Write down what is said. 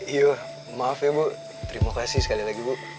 iya maaf ya bu terima kasih sekali lagi bu